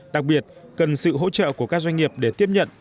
đặc biệt cần sự hỗ trợ của các doanh nghiệp để tiếp nhận